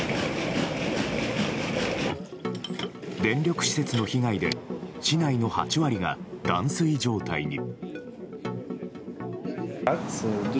電力施設の被害で市内の８割が断水状態に。